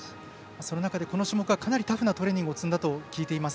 その中でこの種目はかなりタフなトレーニングを積んだと聞いています。